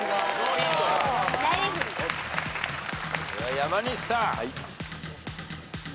山西さん。